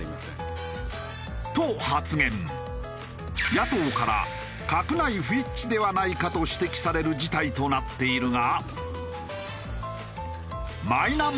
野党から「閣内不一致ではないか？」と指摘される事態となっているが。